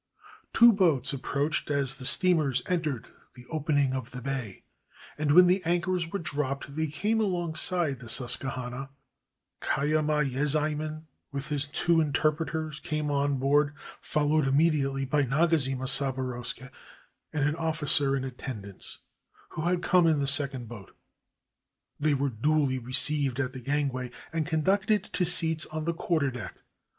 Two boats approached as the steamers entered the opening of the bay, and when the anchors were dropped they came alongside the Susquehanna, Kayama Ye zaiman, with his two interpreters, came on board, fol lowed immediately by Nagazima Saboroske and an officer in attendance, who had come in the second boat. They were duly received at the gangway and conducted to seats on the quarter deck.